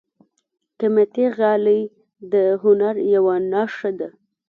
قیمتي غالۍ د هنر یوه نښه ده.